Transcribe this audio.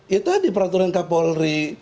itu ada peraturan kapolri